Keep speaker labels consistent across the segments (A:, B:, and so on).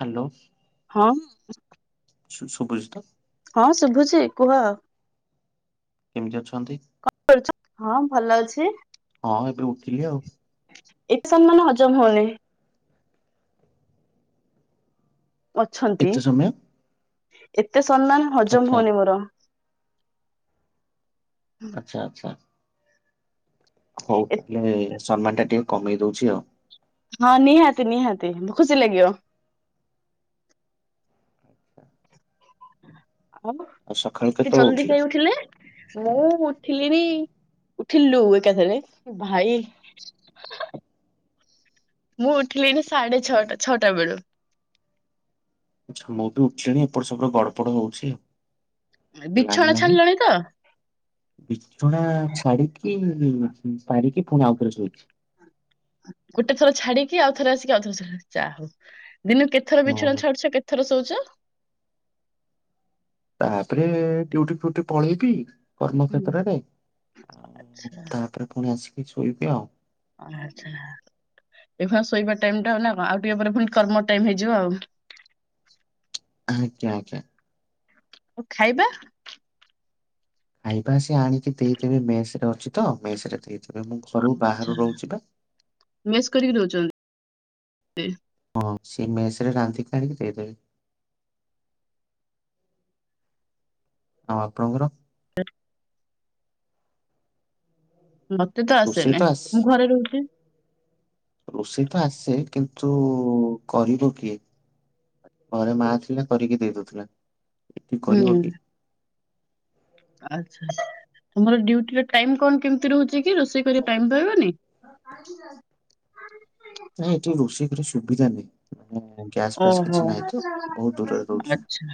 A: Hello.
B: ହଁ।
A: ଶୁଭୁଛି ତ?
B: ହଁ ଶୁଭୁଛି କୁହ?
A: କେମିତି ଅଛନ୍ତି?
B: କଣ କରୁଛ ହଁ, ଭଲ ଅଛି।
A: ହଁ ଏବେ ଉଠିଲି ଆଉ।
B: ଏତେ ସମୟ [unintelligible] ହଜମ ହଉନି। ଅଛନ୍ତି
A: ଏତେ ସମୟ
B: ଏତେ ସମ୍ମାନ ହଜମ
A: ଆଚ୍ଛା
B: ହଉନି ମୋର।
A: ଆଚ୍ଛା ଆଚ୍ଛା। ହଉ ଏ ସମ୍ମାନ ଟା ଟିକେ କମେଇ ଦଉଛି ଆଉ।
B: ହଁ ନିହାତି ନିହାତି ଖୁସି ଲାଗିବ। ଆଉ ଏତେ ଜଲଦି କାଇଁ ଉଠିଲେ? ମୁଁ ଉଠିଲିଣି ଉଠିଲୁ ଏକାଥରେ ଭାଇ
A: [inaudible]
B: ମୁଁ ଉଠିଲିଣି ସାଢେ ଛଅଟା ଛଅଟା ବେଳୁ।
A: ଆଚ୍ଛା ମୁଁ ବି ଉଠିଲିଣି ଏପଟ ସେପ ଗଡପଡ ହଉଚି।
B: ବିଛଣା ଛାଡିଲଣି ତ?
A: ବିଛଣା ଛାଡିକି ଉଁ ପାଡିକି ପୁଣି ଆଉ ଥରେ ଶୋଇଚି।
B: ଗୋଟେ ଥର ଛାଡିକି ଆଉ ଥରେ ଆସିକି ଆଉ ଥରେ ଯାହଉ ଦିନକୁ କେତେଥର ବିଛଣା
A: ହଁ
B: ଛାଡୁଛ କେ ଥର ଶୋଉଛ?
A: ତାପରେ ଡ୍ୟୁଟି ଫୁଟି ପଳେଇବି। କର୍ମକ୍ଷେତ୍ର ରେ ଆଉ ତାପରେ ପୁଣି ଆସିକି ଶୋଇବି ଆଉ।
B: ଆଚ୍ଛା ଏବେ କଣ ଶୋଇବା ଟାଇମ୍ ଟା ନା ଆଉ କଣ ଟିକେ ପରେ ପୁଣି କର୍ମ ଟାଇମ୍ ହେଇଯିବ ଆଉ।
A: ଆଜ୍ଞା ଆଜ୍ଞା।
B: ଆଉ ଖାଇବା?
A: ଖାଇବା ସେ ଆଣିକି ଦେଇଦେବେ ମେସ୍ ରେ ଅଛୁ ତ ମେସ୍ ରେ ଦେଇ [unintelligible]
B: ଆଚ୍ଛା ମେସ୍ କରିକି ରହୁଚନ୍ତି [unintelligible]
A: ହଁ ସେଏ ମେସ ରେ ରାନ୍ଧିକି ଆଣିକି ଦେଇଦେବେ। ଆଉ ଆପଣଙ୍କର?
B: [unintelligible] ମତେ ତ
A: ରୋଷେଇ
B: ଆସେନି
A: ଆସ
B: ମୁଁ ଘରେ ରହୁଚି।
A: ରୋଷେଇ ତ ଆସେ କିନ୍ତୁ କରିବ କିଏ। ଘରେ ମା ଥିଲା କରିକି ଦେଇ ଦଉଥିଲା ଏଠି
B: ହୁଁ
A: କରିବ କିଏ।
B: ଆଚ୍ଛା ଆଚ୍ଛା ତମର ଡ୍ୟୁଟି ଟାଇମ୍ କଣ କେମିତି ରହୁଚି କି ରୋଷେଇ କରିବା ଟାଇମ୍ ପାଇବନି? [unintelligible]
A: ନାଇଁ ଏଠି ରୋଷେଇ କରିଆ ସୁବିଧା ନାଇଁ। ମାନେ ଗ୍ୟାସ୍ ଫ୍ୟାସ୍
B: ଓହୋ
A: କିଛି ନାହିଁ ତ ବହୁତ୍ ଦୂରରେ ରହୁଚୁ।
B: ଆଚ୍ଛା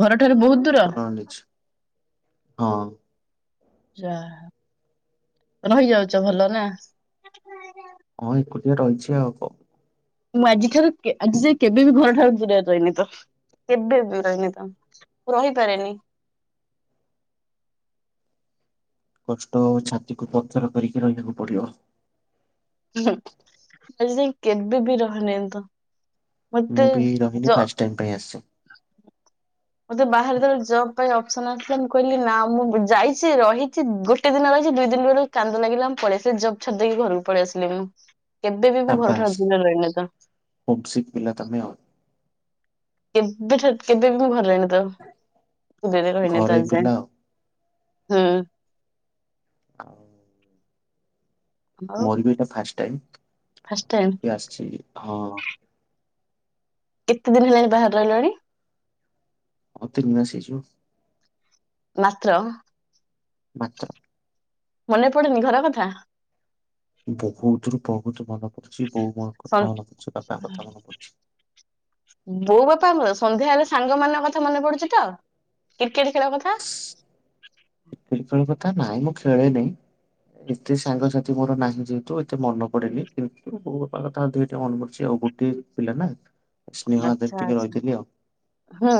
B: ଘରଠାରୁ ବହୁତ୍ ଦୂର?
A: ନିଜେ ହଁ।
B: ଯା ରହିଯାଉଚ ଭଲ ନା? [unintelligible]
A: ହଁ ଏକୁଟିଆ ରହିଚି ଆଉ କ
B: ମୁଁ ଆଜିଠାରୁ କେ ଆଜି ଯାଏ କେବେ ବି ଘର ଠାରୁ ଦୂରରେ ରହନି। ତ କେବେ ବି ରହନି ତ ରହିପାରେନି।
A: କଷ୍ଟ ଛାତିକୁ ପଥର କରିକି ରହିବାକୁ ପଡିବ।
B: ହୁଁ ଆଜି ଯାଏଁ କେବେ ବି ରହନେଇ ତ
A: ମୁଁ
B: ମତେ
A: ବି ରହିନି
B: ଜ
A: ଫାଷ୍ଟ ଟାଇମ ପାଇଁ ଆସଚି।
B: [unintelligible] ମୋତେ ବାହାରେ ଯେତେବେଳେ ଜବ ପାଇଁ ଅପସନ ଆସିଥିଲା ମୁଁ କହିଲି ନା, ମୁଁ ଯାଇଚି, ରହିଚି ଗୋ ଗୋଟେ ଦିନ ରହିଚି ଦୁଇ ଦିନ ବେଳକୁ କାନ୍ଦ ଲାଗିଲା ମୁଁ ପଳେଇ ଆସିଲି। ଜବ ଛାଡ଼ି ଦେଇକି ଘରକୁ ପଳେଇ ଆସିଲି ମୁଁ। କେବେ ବି ମୁଁ ଘରଠାରୁ ଦିନେ ରହିନି ତ।
A: ହୋମ ସିକ ପିଲା ତମେ ଆଉ।
B: କେବେଠୁ କେବେ ବି ମୁଁ ଘରେ ରହିନି ତ କେବେ ବି ରହିନି ତ
A: ଘରୋଇ
B: ଆଜି
A: ପିଲା
B: ଯାଏଁ।
A: ଆଉ।
B: ହୁଁ।
A: [unintelligible]
B: ଆଉ
A: ମୋର ବି ଏଇଟା ଫାଷ୍ଟ ଟାଇମ।
B: ଫାଷ୍ଟ ଟାଇମ୍
A: ମୁଁ ଆସିଛି ହଁ
B: କେତେ ଦିନ ହେଲାଣି ବାହାରେ ରହିଲଣି?
A: ହ ତିନି ମାସ ହେଇ ଯିବ।
B: ମାତ୍ର?
A: ମାତ୍ର
B: ମନେ ପଡେନି ଘର କଥା?
A: ବହୁତ ରୁ ବହୁତ ମନେ ପଡୁଛି। ବୋଉ ମୋ
B: ସନ୍
A: କଥା ମନେ ପଡୁଛି, ବାପାଙ୍କ କଥା ମନେ ପଡୁଛି।
B: ବୋଉ ବାପା ଆମର ସନ୍ଧ୍ୟା ହେଲେ ସାଙ୍ଗ ମାନଙ୍କ କଥା ମନେ ପଡୁଛି ତ! କ୍ରିକେଟ ଖେଳ କଥା?
A: କ୍ରିକେଟ୍ ଖେଳ କଥା। ନାଇଁ ମୁଁ ଖେଳେନେଇ ଏତେ ସାଙ୍ଗସା ମୋର ନାହିଁ ଯେହେତୁ ଏତେ ମନେ ପଡ଼େନି କିନ୍ତୁ ବୋଉ ବାପା କଥା ଅଧିକ ଟିକେ ମନେ ପଡୁଛି ଆଉ ଗୋଟିଏ ପିଲା ନା। ସ୍ନେହ ଆଦର
B: ଆଚ୍ଛା
A: ଟିକେ
B: ଆଚ୍ଛା
A: ରହିଥିଲି ଆଉ।
B: ହୁଁ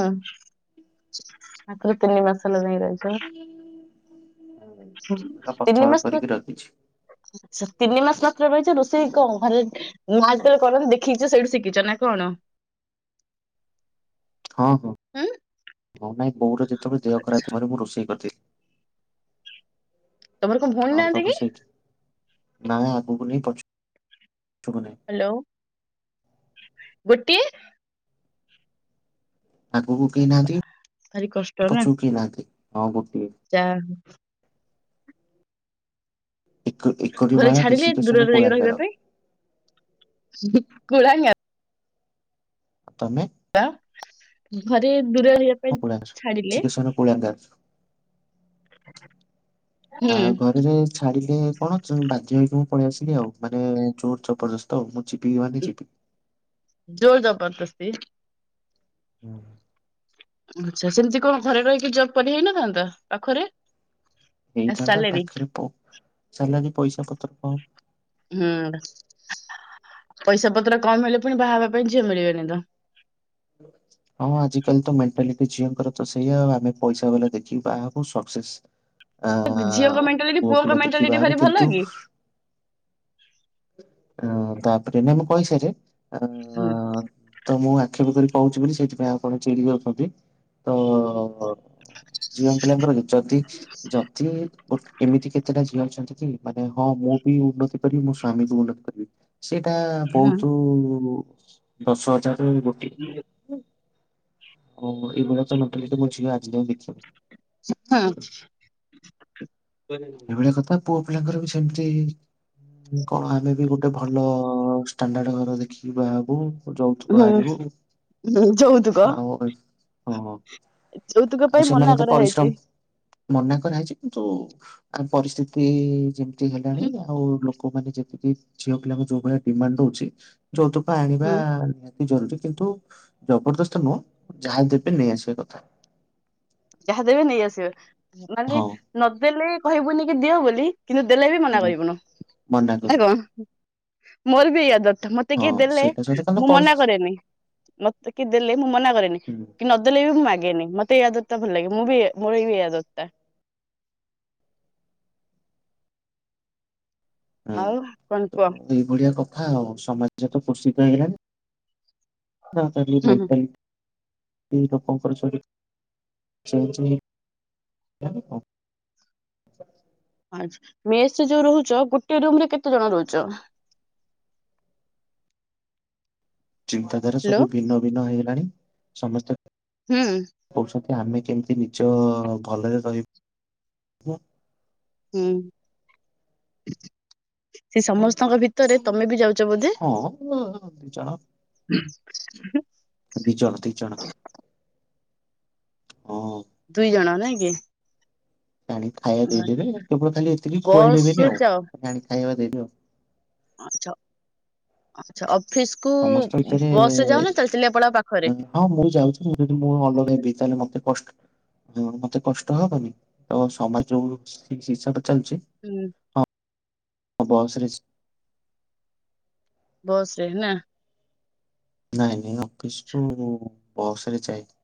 B: ଆଗରେ ତିନି ମାସ ହେଲା ଯାଇ ରହିଛି।
A: ପୁରା
B: ତିନି
A: ପଥର
B: ମା
A: କରିକି ରଖିଛି
B: ଆଛା ତିନି ମାସ ମାତ୍ର ରହିଛି ରୋଷେଇ କଣ ଘରେ ମାଆ ଯେତେବେଳେ କରନ୍ତି, ଦେଖିଛ ସେଇଠୁ ଶିଖିଛ ନା କଣ?
A: ହଁ।
B: ଉଁ
A: ହଉ ନାଇଁ ବୋଉର ଯେତେବେଳେ ଦେହ ଖରାପ ଥାଏ ତ ମୁଁ ରୋଷେଇ କରିଦିଏ।
B: ତମର କଣ ଭଉଣୀ
A: ଆ
B: ନାହାନ୍ତି କି?
A: ତାକୁୁ ସେଇକି ନାଇ ଆଗକୁ ନାହିଁ ପଛ ପଛକୁ ନାହିଁ।
B: ହ୍ୟାଲୋ। ଗୋଟିଏ
A: ଆଗକୁ କେହି ନାହାନ୍ତି,
B: ଭାରି କଷ୍ଟ ନା
A: ପଛକୁ କେହି ନାହାନ୍ତି। ହଁ ଗୋଟିଏ।
B: ଯା ହୋଉ।
A: ଏକ ଏକଟି
B: ଘରେ
A: ମାଳା
B: ଛାଡିଲେ ଦୂରରେ
A: ବିଶିକେଶନ
B: ଯାଇକି
A: କୁଳାଙ୍ଗାର
B: ରହିବା ପାଇଁ କୁଳାଗ୍ନାର।
A: ତମେ
B: ଘରେ ଦୂର
A: ହପ ଚିକିତ୍ସନ ପଙ୍କାର୍ [unintelligible] ଆ
B: ହୁଁ
A: ଘରେ ଯାଇ ଛାଡିଲେ କଣ ବାଧ୍ୟ ହେଇକି ମୁଁ ପଳେଇ ଆସିଲି ଆଉ ମାନେ ଜୋର ଜବରଦସ୍ତ ତଉ ମୁଁ ଯିବିି ମାନେ ଯିବି।
B: ଜୋର ଜବରଦସ୍ତି।
A: ହୁଁ।
B: ଆଚ୍ଛା। ସେମିତି କଣ ଘରେ ରହିକି ଜବ୍ କରି ହେଇନଥାନ୍ତା ପାଖରେ?
A: ହେଇଥାନ୍ତା
B: ସାଲେରୀ
A: ପାଖରେ ପ ସାଲାରୀ ପଇସା ପତ୍ର କ
B: ହୁଁ। ପଇସା ପତ୍ର କମ ହେଲେ ପୁଣି ବାହା ହେବା ପାଇଁ ଝିଅ ମିଳିବନି ତ।
A: ହଁ। ଆଜିକାଲି ତ ମେଣ୍ଟାଲିଟି ଝିଅଙ୍କର ତ ସେଇଆଉ। ଆମେ ପଇସା ବାଲା ଦେଖିକି ବାହା ହକୁ ସକ୍ସେସ୍ [unintelligible]
B: ଝିଅଙ୍କ ମେଣ୍ଟାଲିଟି
A: ପୁଅ
B: ପୁଅଙ୍କ
A: ପିଲା ଦେଖିକି
B: ମେଣ୍ଟାଲିଟି
A: ବାହା ହବୁ
B: ଭାରି ଭଲ
A: କିନ୍ତୁ
B: କି?
A: ତାପରେ ଆମେ କହିସାରେ ଆ
B: ହୁଁ
A: ତ ମୁଁ ଆକ୍ଷେପ କରି କହୁଛି ବୋଲି ସେଇଥିପାଇଁ ଆପଣ ଚିଡି ଯାଉଛନ୍ତି ତ ଝିଅ ପିଲାଙ୍କର ଯଦି ଯଦି ବଟ ଏମିତି କେତେଟା ଝିଅ ଅଛନ୍ତି କି ମାନେ ହଁ ମୁଁ ବି ଉନ୍ନତି କରିବି ମୋ ସ୍ଵାମୀ ବି ଉନ୍ନତି କରିବି? ସେଟା
B: ହୁଁ
A: ବହୁତ ଦଶ ହଜାରରୁ ଗୋଟିଏ
B: [unintelligible]
A: ହ ଏଇଭଳିଆ ତ ମେଣ୍ଟାଲିଟି ମୋ ଝିଅ ଆଜି ଯାଏ ଦେଖିନି।
B: ହଁ।
A: ଏଇଭଳିଆ କଥା ପୁଅ ପିଲାଙ୍କର ବି ସେମିତି କଣ ଆମେ ବି ଗୋଟେ ଭଲ ଷ୍ଟାଣ୍ଡାଡ ଘର ଦେଖିକି ବାହା ହେବୁ? ଯୌତୁକ
B: ହୁଁ
A: ଆଣିବୁ
B: ଯୌତୁକ
A: ଆଉ ହଁ
B: ଯୌତୁକ
A: ଆଉ
B: ପାଇଁ ମନା
A: ସେମାନେ ତ
B: କରାହେଇଛି।
A: ପରିଶ୍ରମ ମନା କରାହେଇଛି କିନ୍ତୁ ଆ ପରିସ୍ଥିତି ଯେମତି ମିତି ହେଲାଣି ଆଉ ଲୋକମାନେ ଯେତିକି ଝିଅ ପିଲାଙ୍କୁ ଯୋଉ ଭଳିଆ ଡିମାଣ୍ଡ ଦଉଛି ଯୌତୁକ ଆଣିବା
B: ହୁଁ
A: ନିହା ତି ଜରୁରୀ କିନ୍ତୁ ଜବରଦସ୍ତ ନୁହଁ ଯାହା ଦେବେ ନେଇ ଆସିବା କଥା।
B: ଯାହା ଦେବେ ନେଇଆସିବ ମାନେ
A: ହଁ
B: ନଦେଲେ କହିବୁନି କି ଦିଅ ବୋଲି କିନ୍ତୁ ଦେଲେ ବି ମନା
A: ହୁଁ
B: କରିବୁନୁ
A: ମନା
B: ନାଇ
A: କରିବୁ
B: କଣ ମୋର ବି ଏଇଆ ମତ ମତେ
A: ହଁ
B: କିଏ ଦେଲେ
A: ସେଇଟା ସହିତ କାରଣ
B: ମୁଁ
A: ପରି
B: ମନା କରେନି। ମତେ କିଏ ଦେଲେ ମୁଁ ମନା କରେନି
A: ହୁଁ
B: କି ନଦେଲେ ବି ମୁଁ ମାଗେନି। ମତେ ତ ଭଲ ଲାଗେ। ମୁଁ ବି ଏ ମୋର ବିି ଏଇ ଆଦତ ଟା। ଆଉ କଣ କୁହ?
A: ଏଇଭଳିିଆ କଥା ଆଉ। ସମାଜ ତ କୋଷିତ ହେଇଗଲାଣି।
B: ହୁଁ ହୁଁ
A: [unintelligible] ଏ ଲୋକଙ୍କର ଚ ଚାଛିଉ
B: ଆ ମେସ୍ ଯୋଉ ରହୁଛ, ଗୋଟେ ରୁମ ରେ କେତେ ଜଣ ରହୁଛ?
A: ଚିନ୍ତାଧାରା
B: ହ୍ୟାଲୋ
A: ସବୁ ଭିନ୍ନ ଭିନ୍ନ ହେଇଗଲାଣି। ସମସ୍ତେ
B: ହୁଁ।
A: କହୁଛନ୍ତି ଆମେ କେମିତି ନିଜ ଭଲରେ ରହିବ
B: ହୁଁ ସେ ସମସ୍ତଙ୍କ ଭିତ ତରେ ତମେ ବି ଯାଉଛ ବୋଧେ?
A: ହଁ ଦି ଜଣ ଦି ଜଣ ଦି ଜଣ। ହଁ।
B: ଦୁଇ ଜଣ ନାଇକି?
A: ଆଣି ଖାଇବା ଦେଇଦେବେ କେବଳ ଖାଲି ଏତିକି ଖୁଆଇଦେବେନି
B: ବସରେ
A: ଆଉ
B: ଯାଅ
A: ଆଣି ଖାଇବା ଦେଇଦେବେ ଆଉ।
B: ଆଚ୍ଛା ଆଛା ଅଫିସ କୁ
A: ସମସ୍ତ ଭିତରେ
B: ବସରେ ଯାଉନା ଚାଲି ଚାଲିକି ପଳାଅ ପାଖରେ?
A: ହଁ ମୁଁ ଯାଉଛି ଯଦି ମୁଁ ଅଲଗ ହେବି ତାହେଲେ ମତେ କଷ୍ଟ ମତେ କଷ୍ଟ ହବନି ତ ସମାଜ ଯୋଉ ହିସାବରେ ଚାଲିଛି
B: ହୁଁ।
A: ହଁ ବସରେ
B: ବସରେ ନା
A: ନାଇଁ ନାଇଁ ଅଫିସକୁୁ ମୁଁ ବସ ରେ ଯାଇଛି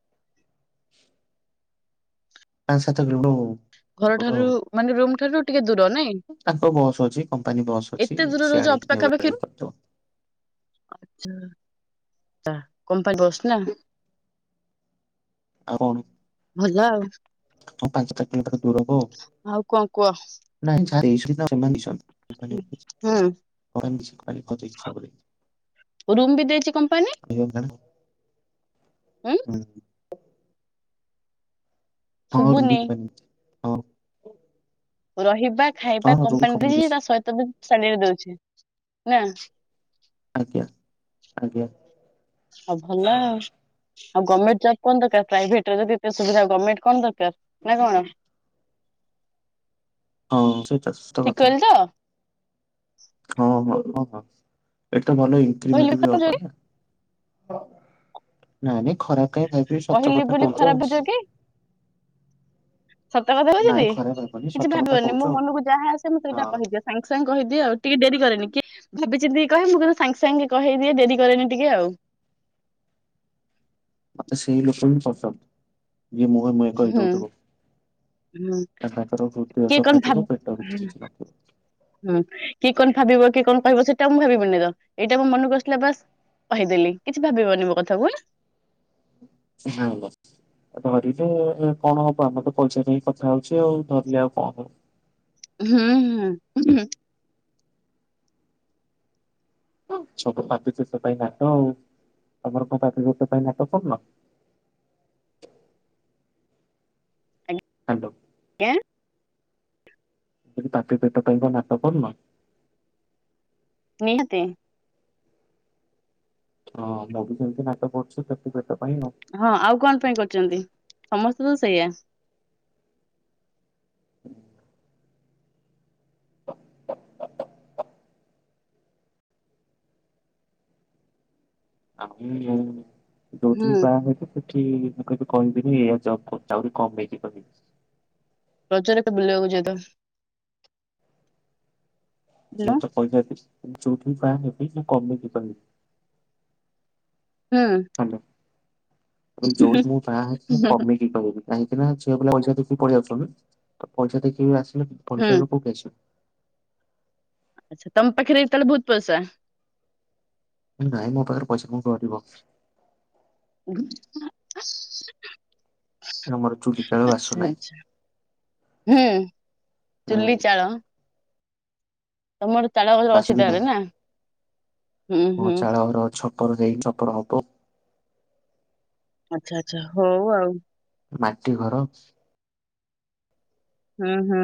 A: ପାଞ୍ଚ ସାତକିଲୋମିଟର ହବ ଆଉଁ।
B: ଘର ଠାରୁ ମାନେ ରୁମ ଠାରୁ ଟିକେ ଦୂର ନାଇଁ
A: ତାଙ୍କ ବସ୍ ଅଛି କମ୍ପାନୀ ବସ୍ ଅଛି
B: ଏତେ ଦୂର
A: ସି
B: ରହୁଛ ଅଫିସ
A: ଆଣିକି ନେବା ଆଣିବା କରିଦବ।
B: ଆଚ୍ଛା କମ୍ପାନୀ ବସ୍ ନାଁ
A: ଆଉ କଣ?
B: ଭଲ ଆଉଁ।
A: ହଁ ପାଞ୍ଚ ସାତ କିଲୋମିଟର ଦୂର ହବ
B: ଆଉ କଣ କୁହ?
A: ନାଇଁ ଚାରିସୀ ଦବେ କିସ? ପାନ କତ ଇଛ
B: ରୁମ୍ ବି ଦେଇଛି କମ୍ପାନୀ।
A: ଝୁନା
B: ଉଁ
A: [inaudible] ହ ର
B: ଶୁଭୁନି।
A: ହଉ
B: ରହିବା ଖାଇବା କମ୍ପାନୀରେ ହିଁ ତା ସହିତ ବି ସାଲେରୀ ଦଉଛି ନାଁ।
A: ଆଜ୍ଞା ଆଜ୍ଞା।
B: ଆଉ ଭଲ ଆଉଁ। ଆଉ ଗରମେଣ୍ଟ ଜବ୍ କଣ ଦରକାର ପ୍ରାଇଭେଟରେ ଯଦି ଏତେ ସୁବିଧା ଗରମେଣ୍ଟ କଣ ଦରକାର ନାଁ କଣ?
A: ହଁ ଓ ସେଇଟା ତ ସତ
B: ଠିକ
A: କଥା।
B: କହିଲି ତ
A: ହଁ ହଁ ହଁ ହଁ ଏଟା ଭଲ
B: କହିଲି
A: ଇନକ୍ରିମେଣ୍ଟ ବି
B: ଖରାପ,
A: ହବ ନାଁ। ନାଇଁ ନାଇଁ ଖରାପ କାହିଁ ଭାବି ସତ
B: କହିଲି
A: କଥା
B: ବୋଲି
A: କହୁଛ
B: ଖରାପ ବୁଝ
A: ଆଉଁ।
B: କି? ସତ କଥା ହେଲା ନାଁ
A: ନାଇଁ
B: ନାହିଁ।
A: ଖରାପ ଭାବନି
B: କିଛି
A: ସତ କଥା
B: ଭାବିବନି
A: କହୁଛ
B: ମୋ
A: ଆଉ
B: ମନକୁ ଯାହା ଆସେ ମୁଁ ସେଇଟା
A: ହଁ।
B: କହିଦିଏ। ସାଙ୍ଗେ ସାଙ୍ଗେ କହିଦିଏ ଆଉଁ ଟିକେ ଡେରି କରେନି କି ଭାବି ଚିନ୍ତି କହେ ମୁଁ କିନ୍ତୁ ସାଙ୍ଗେ ସାଙ୍ଗେ କହିଦିଏ ଡେରି କରେନି ଟିକେ ଆଉ
A: ମୋତେ ସେଇ ଲୋକ ହିଁ ପସନ୍ଦ ଯିଏ ମୁହେଁ ମୁହେଁ
B: ହୁଁ
A: କହିଦଉଥିବ।
B: ହୁଁ
A: ତା ତାଙ୍କର ହୃଦୟ
B: କିଏ କଣ
A: ସଫା ଥିବ
B: ଭାବ
A: ପେଟ ଭିତରେ କିଛି ନଥିବ।
B: ହୁଁ କି କଣ ଭାବିବ କି କଣ କହିବ ସେଇଟା ମୁଁ ଭାବିବିନି ତ ଏଇଟା ମୋ ମନକୁ ଆସିଲା ବାସ କହିଦେଲି କିଛି ଭାବିବନି ମୋ କଥା କୁ ହେଲା।
A: ସାଙ୍ଗ ଧରିନେ କଣ ହବ ଆମର ତ ପଇସା ପାଇଁ କଥା ହଉଛେଁ ଆଉ ଧରିଲେ ଆଉ କଣ ହବ?
B: ହୁଁ ହୁଁ। ହୁଁ
A: ସବୁ ପାପି ପେଟ ପାଇଁ ନାଟ ଆଉ ତମର କଣ ପାପି ପେଟ ପାଇଁ ନାଟ କରୁନ? ହ୍ୟାଲୋ।
B: ଆଜ୍ଞା।
A: ମୁଁ କହିଲି ପାପି ପେଟ ପାଇଁ କଣ ନାଟ କରୁନ?
B: ନିହାତି।
A: ହଁ ସବୁ ଯେମିତି ନାକ କରୁଛ ପାପି ପେଟ ପାଇଁ ଆଉ।
B: ହଁ ଆଉ କଣ ପାଇଁ କରିଛନ୍ତି ସମସ୍ତେ ତ ସେଇଆ।
A: ହୁଁ ଆଗରୁ ଯୋଉ
B: ହୁଁ
A: ଯୋଉଁଠି ବାହାହେଇଥିଲୁ। ସେଠି ମୁଁ କେବେ କହିବିନି ଏଇଆ ଜବ କର ଆହୁରି କମେଇକି କହିବି।
B: ରଜରେ ତ ବୁଲିବାକୁ ଯାଏଁ ତ। ହ୍ୟାଲୋ
A: ସିଏତ ତ କହିଲାନି ଯୋଉଁଥିପାଇଁ ମୁଁ ବି କମେଇକି କହିବି। ହୁଁ। ମୁଁ କହିଲି
B: ହୁଁ
A: ଯୋଉଠି ମୁଁ ବାହାହେବି କମେଇକି ଠିଁକୀ କହିଲେ ବି କାହିଁକି ନାଁ ଝିଅ ପିଲା ପଇସା ଦେଖି ପଳେଇଆସଛନ୍ତି ତ ପଇସା ଦେଖିକି ଆସିଲେ। ଭଲ
B: ହୁଁ
A: ପାଇବା କୋଉଠୁଁ ଆସିବ।
B: ଆଚ୍ଛା, ତମ ପାଖରେ ତାହେଲେ ବହୁତ୍ ପଇସା?
A: ନାଇଁ ମୋ ପାଖରେ ପଇସା କଣ କରିବ?
B: [unintelligible] ଆଚ୍ଛା
A: ଆମର ଚୁଲି ଚାଳ ବାସ ନାହିଁ
B: ଆଚ୍ଛା। ହୁଁ ଚୁଲି
A: ହୁଁ
B: ଚାଳ ତମ ଘରେ ତାଳ ଗଛ
A: ବାସ
B: ଅଛି ତାହେଲେ ନା? ହୁଁ
A: ହଁ
B: ହୁଁ
A: ଚାଳ ଘର ଛପର ଦେଇ ଛପର ହବ।
B: ଆଚ୍ଛା ଆଚ୍ଛା, ହଉ ଆଉ।
A: ମାଟି ଘର
B: ହୁଁ, ହୁଁ।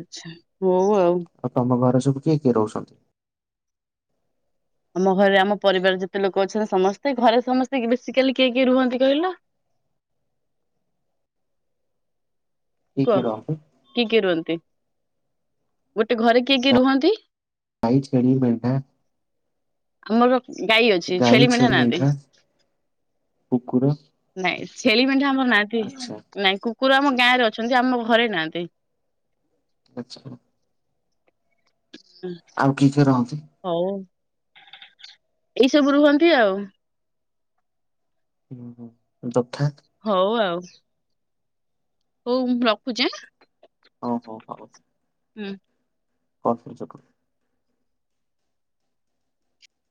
B: ଆଚ୍ଛା। ହଉ ଆଉ।
A: ଆଉ ତମ ଘରେ ସବୁ କିଏ କିଏ ରହୁଛନ୍ତି?
B: ଆମ ଘରେ ଆମ ପରିବାର ଯେତେ ଲୋକ ଅଛନ୍ତି ସମସ୍ତେ ଘରେ ସମସ୍ତେ ବେଶୀ କାଲି କିଏ କିଏ ରୁହନ୍ତି କହିଲ
A: କିଏ କିଏ
B: କୁହ
A: ରୁହନ୍ତି?
B: କିଏ କିଏ ରୁହନ୍ତି? ଗୋଟେ ଘରେ କିଏ କିଏ ରୁହନ୍ତି?
A: ଗାଈ, ଛେଳି, ମେଣ୍ଡା
B: ଆମର ଗାଈ ଅଛି, ଛେଳି, ମେଣ୍ଢା ନାହାନ୍ତି।
A: କୁକୁର
B: ନାଇଁ ଛେଳି ମେଣ୍ଢା ଆମର ନାହାନ୍ତି।
A: ଆଚ୍ଛା
B: ନାଇଁ କୁକୁର ଆମ ଗାଁ ରେ ଅଛନ୍ତି ଆମ ଘରେ ନାହାନ୍ତି।
A: ଆଚ୍ଛା
B: ହୁଁ
A: ଆଉ କିିଏ କିଏ ରହନ୍ତି?
B: ହଉ, ଏଇସବୁ ରୁହନ୍ତି ଆଉ।
A: ଓହୋ ତଥା
B: ହଉ ଆଉ। ହଉ ମୁଁ ରଖୁଛି ଆ।
A: ହଉ ହଉ
B: ହୁଁ।
A: [unintelligible]